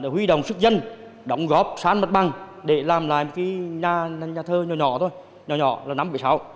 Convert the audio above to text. huy động sức dân đóng góp sát mặt bằng để làm lại nhà thơ nhỏ nhỏ là năm một nghìn chín trăm bảy mươi sáu